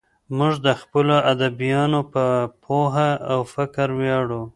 موږ د خپلو ادیبانو په پوهه او فکر ویاړو.